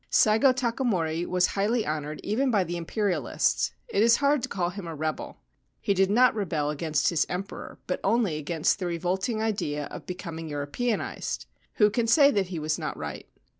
Saigo Takamori was highly honoured even by the Imperialists. It is hard to call him a rebel. He did not rebel against his Emperor, but only against the revolting idea of becoming European ised. Who can say that he was not right